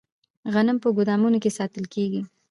غنم په ګدامونو کې ساتل کیږي.